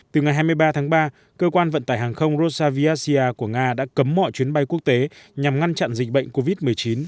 từ ngày hai mươi ba tháng ba cơ quan vận tải hàng không rosaviassia của nga đã cấm mọi chuyến bay quốc tế nhằm ngăn chặn dịch bệnh covid một mươi chín